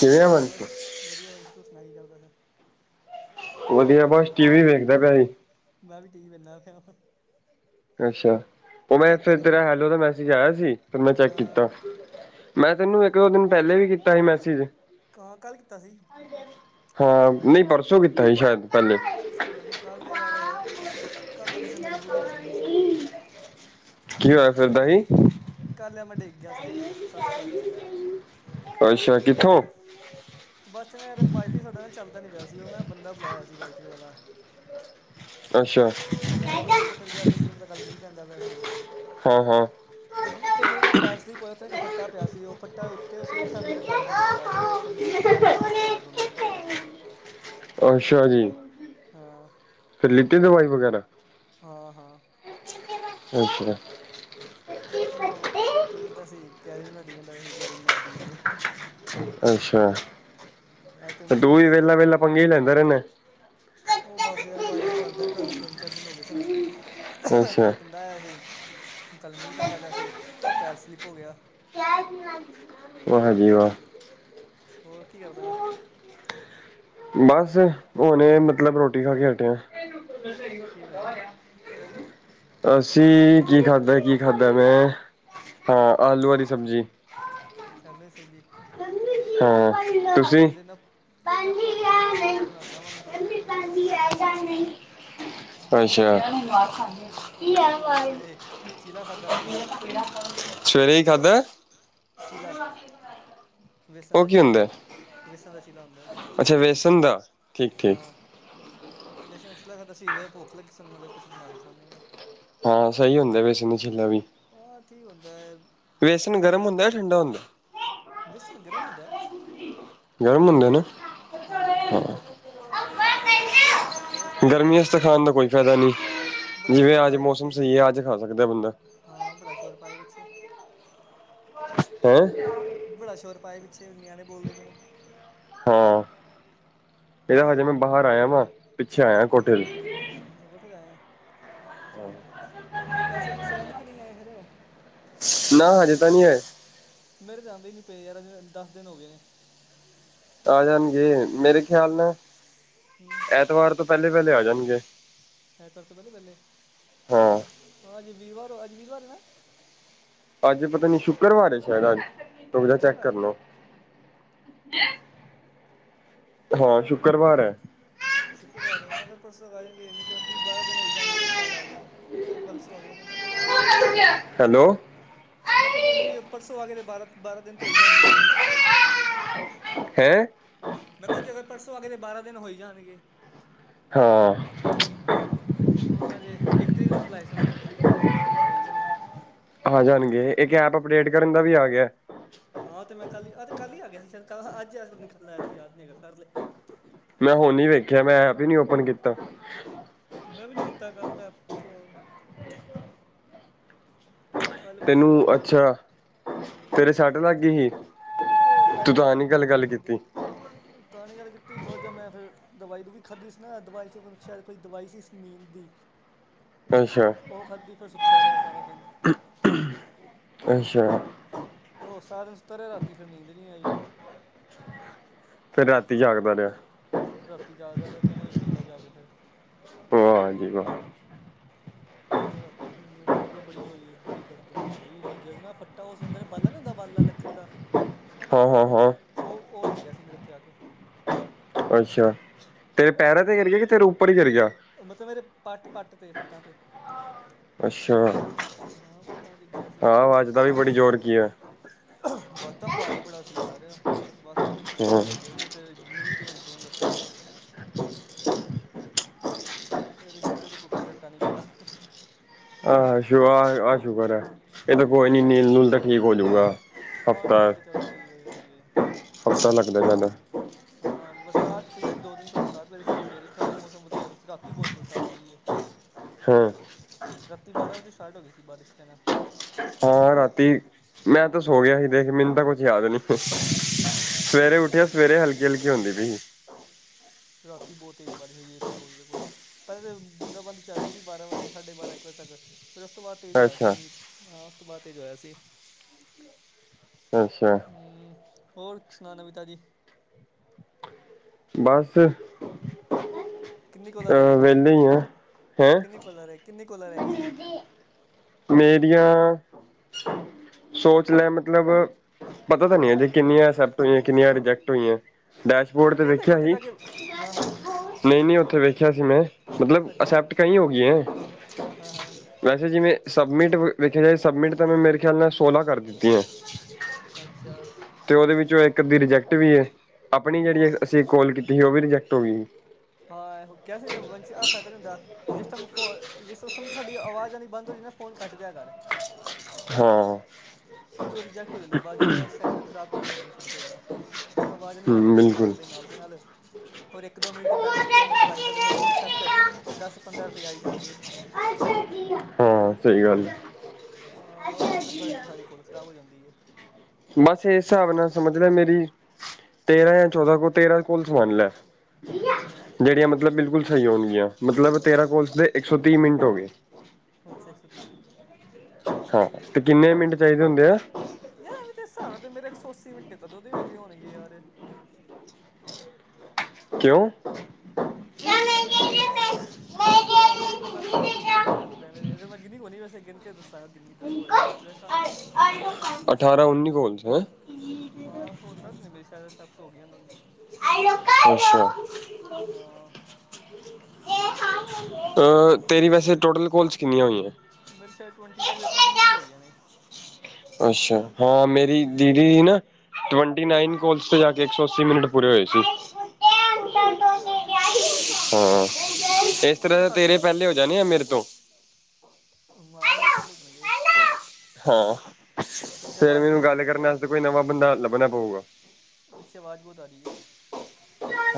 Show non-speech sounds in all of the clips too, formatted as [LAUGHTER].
ਕਿਵੇਂ ਆ ਹੋਰ, ਮਨਸ਼ ਵਧੀਆ। ਬਸ ਤੂੰ ਸੁਣਾ ਕੀ ਕਰਦਾ ਸੇ? ਵਧੀਆ ਬਸ, ਟੀ ਵੀ ਵੇਖਦਾ ਪਿਆ ਸੀ। ਮੈਂ ਵੀ ਟੀ ਵੀ ਵੇਖਨਾ ਪਿਆ ਵਾ। ਅੱਛਾ। ਉਹ ਮੈਂ ਫਿਰ ਤੇਰਾ ਹੈਲੋ ਦਾ ਮੈਸੇਜ ਆਇਆ ਸੀ। ਫਿਰ ਮੈਂ ਚੈੱਕ ਹਾਂ ਕੀਤਾ। ਮੈਂ ਤੈਨੂੰ ਇੱਕ- ਦੋ ਦਿਨ ਪਹਿਲੇ ਵੀ ਕੀਤਾ ਸੀ ਮੈਸੇਜ। ਕਾਂ ਕੱਲ੍ਹ ਕੀਤਾ ਸੀ। ਹਾਂ। ਨਹੀਂ ਪਰਸੋਂ ਕੀਤਾ ਸੀ ਸ਼ਾਇਦ ਪਹਿਲੇ। ਪਰ ਸ ਪਤਾ ਨਹੀਂ ਕੱਲ੍ਹ ਦੇ ਯਾਰ, ਕੱਲ੍ਹ ਤਾਂ ਬਸ ਮਜ਼ਬੂਰੀ ਹੋਈ ਫਿਰਦੀ ਸੀ ਨਾ। ਕੀ ਹੋਆ ਫਿਰਦਾ ਈ। ਕੱਲ ਮੈ ਡਿਗ ਗਿਆ ਸਾ ਯਾਰ, ਸੱਟ ਵਾਜ ਗਈ ਮੇਰੇ। ਅੱਛਾ। ਕਿੱਥੋਂ? ਬਸ ਯ ਵਾਈਫਾਈ ਸਾਡਾ ਚੱਲਦਾ ਨੀ ਪਿਆ ਸੀ ਉਹ ਮੈਂ ਬੰਦਾ ਬੁਲਾਇਆ ਸੀ ਵਾਈਫਾਈ ਵਾਲਾ। ਅੱਛਾ। ਉਹ ਮੈਨੂੰ ਪਰਲੇ ਕੋਠੇ ਤੇ ਗਿਆ ਸੀ ਏਥਰ ਪਤਾ ਕੱਲ ਮੀਂਹ ਪੈਂਦਾ ਪਿਆ ਸੀ। ਹਾਂ-ਹਾਂ। ਹਮ। ਉੱਥੇ ਮੇਰਾ ਨਾ ਪੈਰ ਸਲਿਪ ਹੋਆ। ਓਥੇ ਇਕ ਫੱਟਾ ਪਿਆ ਸੀ ਉਹ ਫੱਟਾ ਉੱਤੇ ਉਸ ਲਿਖਿਆ ਮੇਰੇ ਪੈਰਾਂ ਤੇ ਡਿੱਗਿਆ ਜੋ ਤੇ ਮੇਰੇ ਪੈਰਾਂ ਤੇ ਨੀਲ ਪੈ ਗਿਆ ਦੋਨੋ ਦੇ। ਅੱਛਾ ਜੀ। ਹਾਂ। ਫਿਰ ਲਿੱਤੀ ਦਵਾਈ ਵਗੈਰਾ। ਹਾਂ-ਹਾਂ। ਅੱਛਾ। ਬਸ ਮੈ ਖੇਡਦਾ ਸੀ ਕੈਰੀ ਮਨਾਟੀ ਦੀ ਵਿਡਿਉ। ਅੱਛਾ। ਹਾਂ ਅੱਜ ਤੇ ਮੌਸਮ ਤੂੰ ਹੀ ਵੀ ਕਹਿਣ ਤੋਂ ਵਿਹਲਾ-ਵਿਹਲਾ ਪੰਗੇ ਹੀ ਲੈਂਦਾ ਰਹਿੰਦਾ। ਉਹ ਬਸ ਯਾਰ ਵਾਈਫਾਈ ਚੱਲਦਾ ਨਹੀਂ ਪਿਆ ਸੀ। ਤਿੰਨ -ਚਾਰ ਦਿਨ ਹੋ ਗਏ ਸਨ ਅੱਛਾ ਕੱਲ ਐ ਸੀ। ਕਲ ਮੀਂਹ ਪੈਂਦਾ ਪਿਆ ਸੀ। ਉਹ ਪੈਰ ਸਲਿੱਪ ਹੋ ਗਿਆ। ਕੈ ਮ [UNINTELLIGIBLE] ਵਾਹ ਜੀ ਵਾਹ! ਹੋਰ ਕੀ ਕਰਦਾ ਪਿਆ? ਬਸ, ਹੁਨ ਮਤਲਬ ਰੋਟੀ ਖਾ ਕੇ ਹੱਟਿਆ। ਕੀ ਬਣਾਇਆ ਅਸੀਂ ਕੀ ਖਾਧਾ, ਕੀ ਖਾਧਾ ਵੇ। ਹਾਂ। ਆਲੂ ਵਾਲੀ ਸਬਜ਼ੀ। ਚੱਲ ਓਏ ਸਰ ਜੀ। ਹਾਂ। ਮੈਂ ਤੁਸੀਂ ਦੇਨਾ ਵੇ ਮੈਂ ਪਾਂਦੀ ਭੁੱਖ ਤੇ ਆ ਲੱਗੀ ਨਹੀਂ ਕੁਛ ਬਣਾਉਦਾ ਵਾ ਮਗਰੋਨੀਮ ਮੰਮੀ ਕਰੋਨੀ ਪਾਂਦੀ ਆ ਬਣਾਉਣਾ। ਜਾਂ ਨਹੀਂ [INAUDIBLE] ਅੱਛਾ। ਹਾਂ ਭੁੱਖ ਲੱਗੀ ਸੀ ਸਵੇਰੇ ਚੀਲਾ ਖਾਧਾ ਸੀ ਸਵੇਰੇ ਕੀ ਖਾਧਾ? ਖਾਦਾ ਚੀਲਾ ਵੇਸਣ ਦਾ ਚੀਲਾ ਉਹ ਕਿ ਹੁੰਦਾ। ਵੇਸਣ ਦਾ ਚਿਲਾ ਹੁੰਦਾ ਹੈ ਅੱਛਾ। ਦਾ ਵੇਸਣ ਠੀਕ ਦਾ ਠੀਕ ਹਾਂ। ਵੇਸਨ ਦਾ ਚਿਲਾ ਖਾਦਾ ਸੀ ਵੀ ਭੁੱਖ ਲੱਗੀ ਸੀ ਮੈਂ ਕੁਛ ਬਣਾ ਕੇ ਖਾਂਦੇ ਹਾਂ। ਹਾਂ। ਸਹੀ ਹੁੰਦੇ ਵੇਸਨ ਦੇ ਚਿਲੇ ਵੀ। ਉਹ ਕੀ ਹੁੰਦਾ ਹੈ? ਵੇਸਨ ਗਰਮ ਹੁੰਦਾ ਜਾਂ ਠੰਡਾ ਹੁੰਦਾ। ਵੇਸਨ ਗਰਮ ਹੁੰਦਾ ਹੈ। ਗਰਮ ਹੰਦੇ ਨੇ। ਹਾਂ-ਹਾਂ ਗਰਮ ਹੁੰਦਾ। ਹੋਰ [INAUDIBLE] ਸੁਣਾ ਨਵੀ ਗਰਮੀਆਂ ਤਾਜੀ ਚ ਤਾ ਬੜਾ ਖਾਣ ਸ਼ੋਰ ਦਾ ਕੋਈ ਫਾਇਦਾ ਨਹੀਂ ਬੜਾ ਜਿਵੇਂ ਸ਼ੋਰ ਅੱਜ ਪਾਏ ਮੌਸਮ ਪਿੱਛੇ ਸਹੀ ਹੈ ਅੱਜ ਖਾ ਸਕਦਾ ਬੰਦਾ। ਹਾਂ। ਬੜਾ ਸ਼ੋਰ ਪਾਇਆ ਪਿੱਛੇ। ਹੈਂ। ਬੜਾ ਸ਼ੋਰ ਪਾਇਆ ਪਿੱਛੇ ਨਿਆਣੇ ਬੋਲਦੇ ਪਏ ਨੇ। ਹਾਂ। ਇਹਦਾ ਹੋਰ ਵਜੇ ਮੈਂ ਬਾਹਰ ਆਇਆ ਵਾ ਪਿੱਛੇ ਆਇਆ ਕੋਠੇ ਤੇ। ਅੱਛਾ। ਕੋਠੇ ਤਾਂ ਆਇਆਂ। [INAUDIBLE] ਪੈਸੇ ਪੂਸੇ ਆਏ ਨੇ ਕਿ ਨਹੀਂ ਆਏ ਹਲੇ। ਨਾ ਹਜੇ ਤਾਂ ਨਹੀਂ ਆਏ। ਮੇਰੇ ਤਾਂ ਆਉਂਦੇ ਹੀ ਨੀ ਪਏ ਦਸ ਦਿਨ ਹੋ ਗਏ ਨੇ ਆ ਜਾਣਗੇ ਮੇਰੇ ਖਿਆਲ ਨਾਲ ਹਮ ਐਤਵਾਰ ਤੋਂ ਪਹਿਲੇ-ਪਹਿਲੇ ਆ ਜਾਣਗੇ ਐਤਵਾਰ ਤੋਂ ਪਹਿਲੋ - ਪਹਿਲੇ ਹਾਂ ਹਾਂ ਅੱਜ ਵੀਰਵਾਰ ਹੋ ਅੱਜ ਵੀਰਵਾਰ ਹੈਨਾ ਅੱਜ ਪਤਾ ਨੀ ਸ਼ੁੱਕਰਵਾਰ ਸ਼ਾਇਦ ਅੱਜ ਫੋਨ ਚੈਕ ਸ਼ੁੱਕਰਵਾਰ ਕਰ ਹੈ ਲਓ ਹਾਂ। ਸ਼ੁੱਕਰਵਾਰ ਹੈ ਸ਼ੁੱਕਰਵਾਰ ਆਂ ਫਿਰ ਪਰਸੋਂ ਆ ਜਾਣਗੇ ਜਦ ਬਾਰਾਂ ਦਿਨ ਹੋ ਹੀ ਜਾਣਗੇ ਜੀ ਕੱਲ ਆ ਗਏ ਕਲ ਪਰਸੋ ਆ ਗਏ ਨਾ ਹੈਲੋ ਮੈਂ ਕਦੇ ਵੀ ਪਰਸੋਂ ਆਗੇ ਤੇ ਬਾਰਾਂ-ਬਾਰਾਂ ਦਿਨ ਤੋਂ ਹੋ ਹੀ ਜਾਣਗੇ ਦੀ ਵੀ ਹੈਂ ਮੈਂ ਕਿਹਾ ਜੇ ਅਗਰ ਪਰਸੋਂ ਆਗੇ ਤੇ ਬਾਰਾਂ ਦਿਨ ਹੋਈ ਜਾਣਗੇ ਹਾਂ ਹਾਂ। ਅਜ ਇੱਕ ਤਰੀਕ ਨੂੰ ਫਲਾਈ ਸਕਦਾ ਇੱਕ ਤਰੀਕ ਨੂੰ ਅੱਜ ਬਾਰਾਂ ਦਿਨ ਹੋ ਹੀ ਗਏ ਨੇ ਫਿਰ ਆ ਜਾਣਗੇ ਇੱਕ ਐਪ ਅਪਡੇਟ ਕਰਨ ਦਾ ਵੀ ਆ ਗਿਆ ਹਾਂ। ਤੇ ਮੈਂ ਕਲ ਅਜ ਤੇ ਕੱਲ ਹੀ ਆ ਗਿਆ ਸੀ ਸਾ਼ਈਦ ਕਲ ਹਾਂ ਅੱਜਕਲ ਯਾਦ ਨੀ ਹੈਗਾ ਕਰ ਲਿਆ ਮੈਂ ਮੈਂ ਹੁਣ ਨੀ ਵੇਖਿਆ ਮੈਂ ਐਪ ਹੀ ਨੀ ਓਪਨ ਕੀਤਾ ਮੈਂ ਵੀ ਨਹੀਂ ਕੀਤਾ ਕੱਲ ਦਾ ਫੋਨ। ਕੱਲ ਬਸ ਤੈਨੂੰ ਦਰਦ ਅੱਛਾ ਹੂੰ ਤੇਰੇ ਸੱਟ ਲੱਗ ਗਈ ਸੀ। ਉਹ ਤੂੰ ਪੈਰਾਂ ਚ ਤਾਂ ਯਾਰ ਨੀ ਗੱਲ ਦਰਦ ਗੱਲ ਬੜੀ ਹੁੰਦੀ ਕੀਤੀ ਪਈ। ਤਾਂ ਨ ਗੱਲ ਕੀਤੀ ਥੋੜ੍ਹਾ ਜਿਹਾ ਮੈਂ ਫੇਰ ਦਵਾਈ ਦੁਵਾਈ ਖਾਧੀ ਸੀ ਨਾ ਦਵਾਈ ਸ਼ਾਇਦ ਕੋਈ ਦਵਾਈ ਸੀ ਨੀਂਦ ਦੀ। [INAUDIBLE] ਅੱਛਾ ਉਹ ਖਾਧੀ ਫਿਰ ਸੁੱਤਾ ਰਿਹਾ ਸਾਰਾ ਦਿਨ ਅੱਛਾ ਉਹ ਸਾਰਾ ਦਿਨ ਸੁਤਾ ਰਿਹਾ ਰਾਤੀ ਫਿਰ ਨੀਂਦ ਨਹੀਂ ਆਈ ਫਿਰ ਰਾਤੀ ਜਾਗਦਾ ਰਿਹਾ ਰਾਤੀ ਜਾਗਦਾ ਰਿਹਾ, ਤਿੰਨ ਵਜੇ ਸੁੱਤਾ ਜਾ ਕੇ ਫੇਿਰ ਵਾਜੀ- ਵਾ [UNINTELLIGIBLE] ਉਹ ਰਾਤੀ ਕਹਿਦੀ, ਦਰਦ ਬੜੀ ਹੋਈ ਏ, ਦਰਦ ਹੁੰਦੀ ਬਾਈ ਡਿੱਗੇ ਸੀ ਨਾ, ਪੱਟਾ ਉਸ ਜਿਦਾ ਬਾਲਾ ਨਈ ਹੁੰਦਾ, ਬਾਲਾ ਲੱਕੜ ਦਾ ਹਾਂ-ਹਾਂ-ਹਾਂ ਉਹ-ਉਹ ਡਿੱਗਿਆ ਸੀ। ਮੇਰੇ ਉੱਤੇ ਆ ਕੇ ਅੱਛਾ, ਤੇਰੇ ਹਾਂ। ਪੈਰਾਂ ਤੇ, ਗਿਰ ਗਏ ਕਿ, ਤੇਰੇ ਉੱਪਰ ਹੀ ਗਿਰ ਗਿਆ ਮਤਲਬ, ਮੇਰੇ ਪੱਟ-ਪੱਟ ਤੇ ਪੱਟਾਂ ਤੇ ਅੱਛਾ, ਹਾਂ ਪੱਟਾਂ ਤੇ ਹਾਂ ਵਾਜਦਾ ਵੀ ਬੜੀ ਜੋਰ ਕੀ ਆ ਵਾਜਾ ਭਾਰੀ ਬੜਾ ਸੀ ਯਾਰ, ਬਸ ਉਹ ਤੇ ਚੀਕਾ ਹਾਂ ਨਿਕਲ ਗਈਆਂ, ਮੇਰੇ ਤੇ ਨੀਲ ਪੇਣ, ਦੋਵੇੋਂ ਲੱਤਾਂ ਚ ਜੇ ਏ ਤੇ ਸ਼ੁਕਰ ਏ, ਕੋਈ ਟੁੱਟਾ-ਟੱਟਾ ਨਈ ਮੇਰਾ ਆਹ -ਆਹ ਸ਼ੂਕਰ ਹੈ, ਇਹ ਤਾਂ ਕੋਈ ਨੀ ਹਾਂ ਨੀਲ- ਨੂਲ ਤਾਂ ਠੀਕ ਹੋਜੂਗਾ ਹਾਂ ਨੀਲ ਤਾਂ, ਚੱਲ ਠੀਕ ਹੋ ਜਾਣਗੇ ਪਤਾ ਲੱਗਦਾ ਜਾਂਦਾ ਹਾਂ ਬਰਸਾਤ ਪਈ ਦੋ ਦਿਨ ਤੋਂ, ਬਰਸਾਤ ਪਈ ਸੀ ਸਵੇਰੇ, ਥੋੜਾ ਜਿਹਾ ਮੌਸਮ ਵਧੀਆ, ਹੋਂਇਆ ਸੀ। ਰਾਤੀ ਬਹੁਤ ਬਰਸਾਤੀਂ ਏ [UNINTELLIGIBLE] ਹਮ ਰਾਤੀ ਬਾਰਾਂ ਵਜੇ, ਸਟਾਰਟ ਹੋ ਗਈ ਸੀ ਬਾਰਿਸ਼ ਪੈਣਾ ਹਾਂ ਰਾਤੀ, ਮੈਂ ਤਾਂ ਸੋ ਗਿਆ ਸੀ। ਮੈਨੂੰ ਤਾਂ ਕੁਛ ਯਾਦ ਨਹੀਂ ਸਵੇਰੇ ਤੂੰ ਉੱਠਿਆ, ਸੋ ਗਏ ਸਵੇਰੇ ਹਲਕੀ -ਹਲਕੀ ਹੁੰਦੀ ਪਈ ਸੀ। ਰਾਤੀ, ਬਹੁਤ ਤੇਜ਼ ਬਾਰੀਸ਼ ਹੋਈ ਏ, ਇੱਕ- ਦੋ ਵੱਜੇ ਦੇ ਕੋਲ। ਪਹਿਲੇ ਤਾਂ, ਬੁੰਦਾ -ਬਾੰਦੀ ਚੱਲਦੀ ਰਹੀ, ਬਾਰਾਂ ਵਜੇ ਸਾਢੇ -ਬਾਰਾਂ ਇੱਕ ਵਜੇ ਤੱਕ। ਫਿਰ ਉਸ ਤੋਂ ਬਾਅਦ, ਤੇਜ਼ ਹੋਇਆ ਸੀ ਮੀਂਹ ਹਾਂ ਉਸ ਤੋਂ ਬਾਅਦ ਤੇਜ਼ ਹੋਇਆ ਸੀ। ਅੱਛਾ। ਹੋਰ, ਸੁਣਾ ਨਵੀ ਤਾਜੀ? ਬਸ। ਕਿੰਨੀ ਕੋਲਾ ਰਹਿ ਅਹ ਗਈਆਂ, ਤੇਰੀ ਵਿਹਲੇ ਫਿਰ, ਹੀ ਆ ਹੈਂ ਕਿੰਨੀ ਕੋਲ ਰਹਿ, ਕਿੰਨੀ ਕੋਲ ਰਹਿ ਗਈਆਂ ਨੇ। ਮੇਰੀਆਂ, ਸੋਚ ਲੈ ਮਤਲਬ ਪਤਾ ਤਾਂ ਨਹੀਂ, ਅਜੇ ਕਿੰਨੀਆਂ ਐਕਸੈਪਟ ਹੋਈਆਂ, ਕਿੰਨੀਆਂ ਰਿਜੈਕਟ ਹੋਈਆਂ, ਡੈਸ਼ਬੋਰਡ ਤੈਨੂੰ ਤੇ ਕਿਹਾ ਤਾਂ ਹੈਗਾ ਦੇਖਿਆ ਉੱਥੇ ਹੀ ਜਾ ਕੇ ਹਾਂ ਹਾਂ ਨਹੀਂ -ਨਹੀਂ ਉੱਥੇ ਵੇਖਿਆ ਸੀ ਮੈਂ, ਮਤਲਬ ਅੱਛਾ ਅਕਸੈਪਟ ਕਈ ਹੋ ਗਈਆ ਐ। ਹਾਂ ਹਾਂ ਵੈਸੇ ਜਿਵੇਂ ਸਬਮਿਟ ਵੇਖਿਆ ਜਾਏ, ਸਬਮਿਟ ਤਾਂ ਮੈਂ ਮੇਰੇ ਖਿਆਲ ਨਾਲ, ਸੋਲਾਂ ਕਰ ਦਿੱਤੀਆ ਅੱਛਾ। ਅਤੇ ਉਹਦੇ ਵਿੱਚੋਂ, ਇੱਕ ਅੱਧੀ ਰਿਜੈਕਟ ਵੀ ਏ, ਆਪਣੀ ਜਿਹੜੀ ਹੋਰ ਅਸੀਂ ਕੋਲ ਕੀਤੀ ਸੀ, ਉਹ ਵੀ ਰਿਜੈਕਟ ਹੋ ਗਈ। [UNINTELLIGIBLE] [INAUDIBLE] ਜਿਸ ਟਾਈਮ, ਸਾਡੀ ਆਵਾਜ਼ ਆਉਣੀ ਬੰਦ ਹੋ ਜਾਏ, ਨਾ ਫੋਨ ਕੱਟ ਦਿਆ ਕਰ। ਹਾਂ। [UNINTELLIGIBLE] [UNINTELLIGIBLE] ਕਿਉਂਕਿ, ਉਹ ਰਿਜਕਟ ਹੋ ਜਾਂਦੀ, ਬਾਅਦ ਜਦੋਂ ਉਹ ਸੈਕਿੰਡ, ਉਹ ਖਰਾਬ ਕਰਦੇ ਸਾਡੀਆਂ, ਕੋਲਾ ਤਾਂ ਜਦੋ, ਆਵਾਜ਼ ਆਨੀ ਬੰਦ ਹੋਂ ਹੂੰ ਜਾਏ, ਫੋਨ ਬਿਲਕੁਲ। ਕੱਢਦੇ ਨਾਲ ਦੇ ਨਾਲ ਹੋਰ, ਇੱਕ ਦੋ ਮਿੰਟ ਚ ' ਪੈਹੇ ਚ ਇੱਕ ਦੋ ਮਿੰਟ ਚ ਅਗਰ ਹੋ ਗਈ ਅਕਸੈਪਟ, ਤਾਂ ਦਸ -ਪੰਦਰਾਂ ਰੁਪਏ, ਆਈ ਜਾਣਗੇ ਹਾਂ ਸਹੀ ਗੱਲ ਹਾਂ, ਉਹ ਚੱਕਰ ਸਫਾਈ ਸਾਡੀ ਕੋਲ, ਖ਼ਰਾਬ ਹੋ ਜਾਂਦੀ ਹੈ ਬਸ, ਇਸ ਹਿਸਾਬ ਨਾਲ ਸਮਝ ਲੈ, ਮੇਰੀ ਤੇਰਾਂ ਜਾਂ ਚੌਦਾਂ ਕੋ ਤੇਰਾ ਕੋਲਸ, ਮੰਨ ਲੈ ਹਾਂ ਹਾਂ ਜਿਹੜੀਆਂ ਮਤਲਬ ਬਿਲਕੁਲ, ਸਹੀ ਹੋਣਗੀਆਂ। ਮਤਲਬ, ਤੇਰਾ ਕੋਲਸ ਦੇ, ਇੱਕ ਸੌ ਤੀਹ ਮਿੰਟ ਹੋ ਗਏ। ਅੱਛਾ, ਇੱਕ ਸੌ ਤੀਹ ਮਿੰਟ। ਹਾਂ। ਤੇ ਕਿੰਨੇ ਮਿੰਟ ਚਾਹੀਦੇ ਹੁੰਦੇ ਆ? ਯਾਰ ਵੀ ਤਾਂ ਹਿਸਾਬ ਨਾਲ ਤੇ ਮੇਰੇ ਇੱਕ ਸੌ ਅੱਸੀ ਮਿੰਟੇ ਕਦੋਂ ਦੇ ਹੋ ਗਏ ਹੋਣਗੇ ਯਾਰ। ਕਿਉਂ? ਮੇਰੇ ਦੋ ਸੌ। ਅਠਾਰਾਂ ਉੱਨੀ ਕੋਲਾ ਐਕਸੈਪਟ ਹੋਈਆ ਹੋਣਗੀਆਂ ਮੈਂ ਗਿਨੀ ਹੋ ਨਹੀਂ ਵੈਸੇ ਗਿਣ ਕੇ ਦੱਸ ਕਿੰਨੀ ਦੱਸ ਹੋਏ ਹੋਣੇ ਮੇਰੇ ਹਿਸਾਬ ਤੇ। ਅਠਾਰਾਂ ਉੱਨੀ ਕੋਲਸ ਹੈਂ। ਹਾਂ। ਹੋ ਸਕਦੇ ਮੇਰੀ ਸ਼ਾਇਦ ਐਕਸੈਪਟ ਹੋ ਗਈ ਉਹੀ। [INAUDIBLE] ਹਾਂ ਅਹ ਤੇਰੀ ਵੈਸੇ ਟੋਟਲ ਕੋਲਸ ਕਿੰਨੀਆਂ ਹੋਈਆਂ। ਮੇਰੇ ਸ਼ਾਇਦ ਟਵੈਨਟੀ ਟੂ ਜਾਂ ਟਵੈਂਟੀ ਥਰੀ ਹੋਈਆ ਨੇ। ਅੱਛਾ। ਹਾਂ ਮੇਰੀ ਜੀ ਦੀਦੀ ਹੀ ਨਾ। ਟ੍ਵੇਂਟੀ ਨਾਈਨ ਕੋਲਸ ਤੇ ਜਾ ਕੇ ਇੱਕ ਸੌ ਅੱਸੀ ਮਿੰਟ ਪੂਰੇ ਹੋਏ ਸੀ। ਅੱਛਾ। ਹਾਂ ਇਸ ਆਹੋ ਤਰ੍ਹਾਂ ਸਾਡੇ ਤੇਰੇ ਵੀ ਪਹਿਲੇ ਹੋ ਜਾਣੇ ਆ ਮੇਰੇ ਤੋਂ। ਮਹਾਂ ਮੇਰੇ ਪਹਿਲੇ ਦੇਣ ਗਏ। ਹਾਂ। ਪਿੱਛੇ ਫਿਰ ਆਵਾਜ਼ ਮੈਨੂੰ ਬੜੀ ਆਉਂਦੀ ਗੱਲ ਪਈ ਕਰਨ ਆ ਵਾਸਤੇ ਕੋਈ ਨਵਾਂ ਬੰਦਾ ਲੱਭਣਾ ਪਊਗਾ। ਪਿੱਛੇ ਆਵਾਜ਼ ਬਹੁਤ ਆ ਰਹੀ ਹੈ।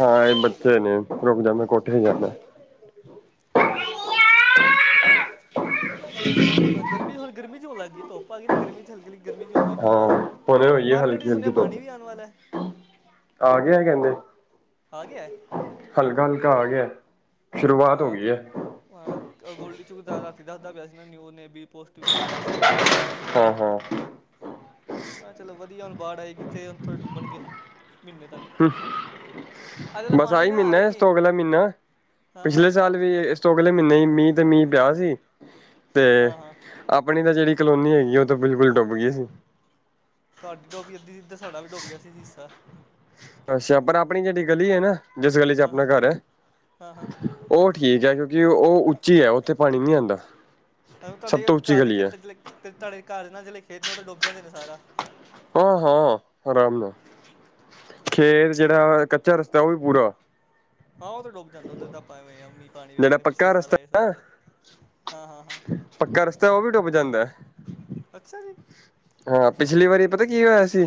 ਹਾਂ। ਇਹ ਬੱਚੇ ਨੇ ਰੁਕ ਜਾਂਦਾ। ਕੋਠੇ ਹੀ ਜਾਂਦਾ। ਗਰਮੀ ਹੁਣ ਗਰਮੀ ਚ ਹੋਣ ਲੱਗ ਗਈ ਧੁੱਪ ਆ ਗਈ ਨਾ ਗਰਮੀ ਚ ਏਨੀ ਗਰਮੀ ਚ ਹੋਣਾ ਕੀ ਹੈ ਹਾਂ ਹੁਣੇ ਹੋਈ ਹੈ ਹਲਕੀ ਮਾਰਕਿੰਟ ਸੁਣਿਆ ਹਲਕੀ ਧੁੱਪ ਪਾਣੀ ਵੀ ਆਉਣ ਵਾਲਾ। ਆ ਗਿਆ ਕਹਿੰਦੇ ਆ ਗਿਆ ਹਲਕਾ- ਹਲਕਾ ਆ ਗਿਆ। ਸ਼ੁਰੂਆਤ ਹੋ ਗਈ ਹਾਂ- ਹੈ ਹਾਂ ਗੋਲਡੀ ਝੁਕਦਾ ਰਾਤੀ ਦੱਸਦਾ ਪਿਆ ਸੀ ਓਹਨੇ ਨਵੀ ਪੋਸਟ ਵਿੱਚ ਪਾਇਆ ਸੀ। ਹਾਂ ਹਾਂ। ਮੈਂ ਚਲੋ ਵਧੀਆ ਹੁਣ ਬਾੜ ਆਏਗੀ ਤੇ ਹੁਣ ਥੋੜ੍ਹੇ ਡੁੱਬਣਗੇ ਮਹੀਨੇ ਤੱਕ। ਅੱਜ ਵਾਲਾ ਬਸ ਪਾਣੀ ਆਹੀ ਨਾ ਮਹੀਨਾ ਇਸ ਵੇਖੀ ਤੋਂ ਅਗਲਾ ਮਹੀਨਾ ਹਾਂ ਹਾਂ ਪਿਛਲੇ ਸਾਲ ਸਾਵਨ ਵੀ ਅਗਲੇ ਮਹੀਨੇ ਮੀਂਹ ਤੇ ਮੀਂਹ ਪਿਆ ਸੀ ਤੇ ਹਾਂ ਹਾਂ ਆਪਣੀ ਤਾਂ ਜਿਹੜੀ ਕਲੋਨੀ ਹੈਗੀ ਉਹ ਤਾਂ ਬਿਲਕੁਲ ਡੁੱਬ ਗਈ ਸੀ। ਤੁਹਾਡੀ ਡੁੱਬ ਗੇਈ ਅੱਧੀ ਸਾਡਾ ਵੀ ਡੁੱਬ ਗਿਆ ਸੀ ਹੀ। ਅੱਛਾ ਪਰ ਆਪਣੀ ਜਿਹੜੀ ਗਲੀ ਹੈ ਨਾ ਜਿਸ ਗਲੀ ਚ ਹਾਂ ਆਪਣਾ ਹਾਂ। ਘਰ ਹੈ। ਹਾਂ ਹਾਂ ਉਹ ਠੀਕ ਹੈ ਕਿਉਂਕਿ ਉਹ ਉੱਚੀ ਹੈ ਉੱਥੇ ਪਾਣੀ ਨੀ ਆਉਂਦਾ। ਹ ਸਭ ਤੁਹਾਡੇ ਤੋਂ ਉੱਚੀ ਘਰ ਦੇ ਗਲੀ ਹੈ ਖੇਤ ਚ ਤੁਹਾਡੇ ਘਰ ਦੇ ਖੇਤ ਨੇ ਉਹ ਤੇ ਡੁੱਬ ਜਾਂਦੇ ਨੇ ਸਾਰਾ। ਹਾਂ- ਹਾਂ ਆਰਾਮ ਨਾਲ ਹੂੰ। ਖੇਤ ਜਿਹੜਾ ਕੱਚਾ ਰਸਤਾ ਉਹ ਵੀ ਪੂਰਾ। ਹਾਂਲ। ਉਹ ਤਾਂ ਡੁੱਬ ਜਾਂਦਾ ਉੱਧਰ ਤਾਂ ਆਪਾਂ ਮੀਂ ਪਾਣੀ ਜਿਹੜਾ ਵੇਖਣੇ ਪੱਕਾ ਪਿਛਲੇ ਸਾਲ ਰਸਤਾ ਆਏ ਹਾਂ ਹਾਂ ਹਾਂ ਪੱਕਾ ਰਸਤਾ ਉਹ ਵੀ ਡੁੱਬ ਜਾਂਦਾ। ਅੱਛਾ ਜੀ। ਹਾਂ। ਪਿਛਲੀ ਵਾਰੀ ਪਤਾ ਕੀ ਹੋਇਆ ਸੀ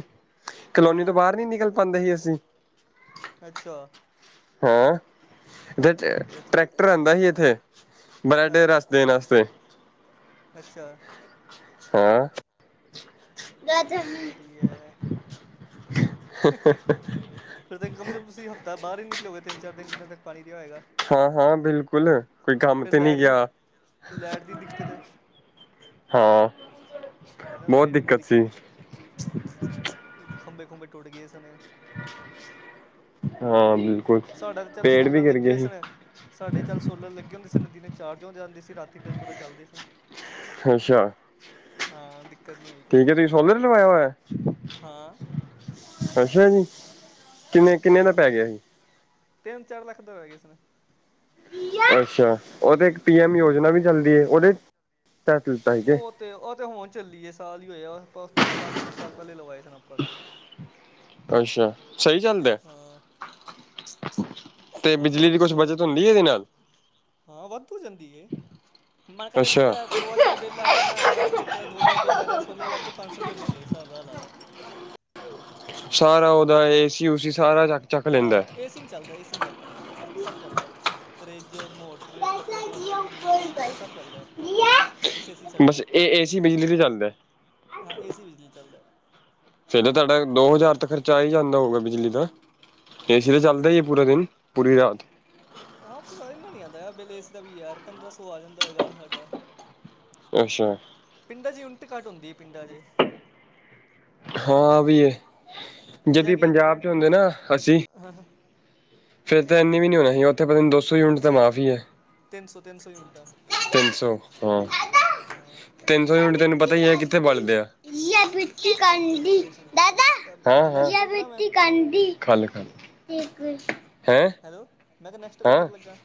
ਹਾਂ ਕਲੋਨੀ ਤੋਂ ਹਾਂ ਬਾਹਰ ਨੀ ਨਿਕਲ ਪਾਉਂਦੇ ਸੀ ਅਸੀਂ। ਅੱਛਾ। ਹਾਂ। ਫਿਰ ਤੁਸੀਂ ਟਰੈਕਟਰ ਆਉਂਦਾ ਸੀ ਇੱਥੇ। ਹਾਂ ਅੱਛਾ [INAUDIBLE] ਚਲੋ ਵਧੀਆ ਹੈ। [INAUDIBLE] ਫਿਰ ਤਾਂ ਕਮ ਸੇ ਕਮ ਤੁਸੀਂ ਹਫ਼ਤਾ ਬਾਹਰ ਹੀ ਨਿਕਲੋਗੇ ਤਿੰਨ ਚਾਰ ਦਿਨ ਜਿਨਾਂ ਤੱਕ ਪਾਣੀ ਰਿਹਾ ਹੋਏਗਾ। ਹਾਂ- ਹਾਂ ਬਿਲਕੁਲ ਕੋਈ ਕੰਮ ਫਿਰ ਤੇ ਨਹੀਂ ਲਾਈਟ ਦੀ ਗਿਆ। ਲਾਈਟ ਦੀ ਦਿੱਕਤ ਹਾਂ। ਬਹੁਤ ਦਿੱਕਤ ਸੀ। ਖੰਬੇ ਖੁੰਬੇ ਟੁੱਟ ਗਏ ਸਨ। ਹਾਂ ਬਿਲਕੁ ਸਾਡਾ ਤਾਂ ਚੱਲ ਸੋਲਰ ਲੱਗੇ ਹੋਏ ਸਨ। ਸਾਡੇ ਚੱਲ ਸੋਲਰ ਲੱਗੇ ਹੁੰਦੇ ਸੀ ਨਦੀ ਨੇ ਚਾਰਜ ਹੋ ਜਾਂਦੇ ਸੀ ਰਾਤੀ ਫਿਰ ਪੂਰਾ ਚੱਲਦੇ ਸਨ। ਅੱਛਾ ਹਾਂ ਦਿੱਕਤ ਨਹੀਂ ਹੋਈ ਕੋਈ ਠੀਕ ਹੈ ਤੁਸੀਂ ਸੋਲਰ ਲਵਾਇਆ ਹੋਇਆ। ਹਾਂ ਅੱਛਾ ਜੀ। ਕਿੰਨੇ-ਕਿੰਨੇ ਦਾ ਕਾਫੀ ਪੈ ਚ ਗਿਆ ਸੀ। ਤਿੰਨ ਚਾਰ ਲੱਖ ਤੋਂ ਹੋ ਗਏ ਇਸਨ ਅੱਛਾ ਉਹ ਤੇ ਇੱਕ ਪੀ ਐਮ ਯੋਜਨਾ ਵੀ ਹਾਂ ਚੱਲਦੀ ਹੈ, ਉਹ ਦੇ ਤਾ ਸੀਗੇ। ਉਹ ਤੇ ਉਹ ਤੇ ਹੁਣ ਚੱਲੀਏ ਸਾਲ ਹੀ ਹੋਇਆ, ਆਪਾਂ ਉਸ ਤੋਂ ਪੰਜ ਛੇ ਸਾਲ ਪਹਿਲੇ ਲਵਾਏ ਸਨ ਆਪਾਂ ਤੇ [UNINTELLIGIBLE] ਅੱਛਾ ਸਹੀ ਚੱਲਦੇ। ਹਾਂ, ਤੇ ਬਸ ਬਿਜਲੀ ਅਸੀ ਦੀ ਕੁਛ ਚੱਲਣ ਬੱਚਤ ਹੁੰਦੀ ਹੈ ਇਹਦੇ ਨਾਲ ਹਾਂ ਵੱਧ ਹੋ ਜਾਂਦੀ। ਮਰਕਾ ਅੱਛਾ [UNINTELLIGIBLE] ਦੋ ਹਜ਼ਾਰ ਬਿੱਲ ਆ ਰਿਹਾ ਨਾ, ਮਤਲਬ ਦੋ ਹਜ਼ਾਰ ਬਿੱਲ ਆ ਰਿਹਾ ਸੋ ਲੱਖ ਕੇ ਪੰਜ ਸੌ ਰੁਪਏ ਬਿੱਲ ਹਿਸਾਬ ਐ ਲਾਲਾ। ਸਾਰਾ ਉਹਦਾ [UNINTELLIGIBLE] ਏਸੀ ਉਸੀ ਸਾਰਾ ਚੱਕ-ਚੱਕ ਲੈਂਦਾ ਹਾਂ, ਏਸੀ ਨੀ ਚੱਲਦਾ ਹਾ, ਏਸੀ ਨੀ ਚੱਲਦਾ। ਬਾਕੀ ਸਭ ਚੱਲਦਾ ਫਰਿੱਜ ਮੋਟਰ ਕੱਪੜੇ ਧੋਣ ਵਾਲੀ ਮਸ਼ੀਨ ਗੀਜ਼ਰ ਸਭ ਚੱਲਦਾ। ਬਸ ਏ ਸੀ ਛੱਡ ਬਸ ਗਏ, ਇਹ ਏਸੀ ਬਿਜਲੀ ਤੇ ਚੱਲਦਾ ਹਾਂ ਏਸੀ ਬਿਜਲੀ ਚੱਲਦਾ। ਫਿਰ ਤਾਂ ਤੁਹਾਡਾ ਦੋ ਹਜ਼ਾਰ ਤੇ ਖਰਚਾ ਆ ਹੀ ਜਾਂਦਾ ਹੋਊਗਾ ਬਿਜਲੀ ਦਾ। ਏਸੀ ਤੇ ਚੱਲਦਾ, ਹੀ ਪੂਰਾ ਦਿਨ ਪੂਰੀ ਰਾਤ ਹਾਂ ਇਨਾ ਨੀ ਆਉਂਦਾ ਬੇਲੇ ਏਸੀ ਦਾ ਵੀ ਯਾਰ ਪੰਦਰਾਂ ਸੌ ਆ ਜਾਂਦਾ ਹੈਏਗਾ, ਸਾਡਾ [UNINTELLIGIBLE] ਅੱਛਾ, ਪਿੰਡਾਂ 'ਚ ਉਨਾ ਦੀ ਘੱਟ ਹੁੰਦੀ ਹੈ ਪਿੰਡਾਂ 'ਚ। ਹਾਂ ਵੀ ਏ ਜਾਂ ਜਦ ਕਿ ਪੰਜਾਬ ਚ ਹੁੰਦੇ ਨਾ ਅਸੀਂ [UNINTELLIGIBLE] ਫਿਰ ਤਾਂ ਇੰਨੀ ਵੀ ਨੀ ਨਹੀਂ ਹੋਣਾ ਸੀ, ਉੱਥੇ ਪਤਾ ਨੀ ਦੋ ਸੌ ਤਾਂ ਮਾਫ਼ ਹੀ ਹੈ। ਤਿੰਨ ਸੌ ਤਿੰਨ ਸੌ ਉਲਟਾ ਤਿੰਨ ਸੌ ਹਾਂ, ਹਾਂ ਤਿੰਨ ਸੌ ਯੂਨਿਟ ਤੁਹਾਨੂੰ ਪਤਾ ਹੀ ਹੈ, ਕਿੱਥੇ ਬਲਦੇ ਆ। ਸਹੀ ਗੱਲ ਹੈ ਤਿੰਨ ਸੌ ਯੂਨਿਟਾਂ। ਨੈਕਸਟ ਕੋਲ ਕਰਾਂ ਮੈਂ [UNINTELLIGIBLE] ਖਾਲੇ ਹੈਂ। ਹੈਲੋ, ਮੈਂ ਤਾਂ ਨੈਕਸਟ ਕੋਲ ਹਾਂ ਕਰਨ ਲੱਗਾ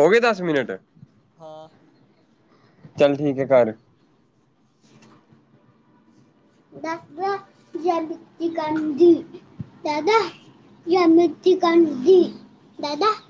ਹੋ ਗਏ ਦਸ ਮਿੰਟ ਹਾਂ। ਚੱਲ ਠੀਕ ਹੈ ਕਰ [UNINTELLIGIBLE] [UNINTELLIGIBLE]